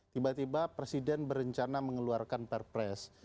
tiba tiba presiden berencana mengeluarkan perpres